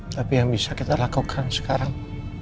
tapi yang bisa kita lakukan sekarang